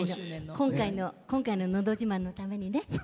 今回の「のど自慢」のためにね。